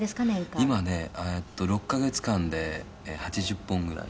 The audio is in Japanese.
谷村：今ね、６カ月間で８０本ぐらい。